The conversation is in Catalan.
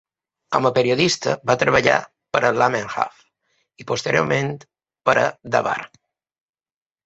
Com a periodista, va treballar per a "Lamerhav" i posteriorment per a "Davar".